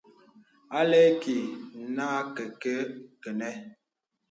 A lɛ̂ ìkì nə kɛkɛ kə̀nɛ̂.